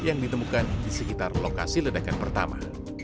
yang ditemukan di sekitar lokasi ledakan pertama